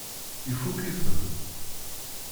Ifukk-itent?